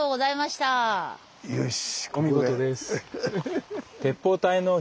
よし。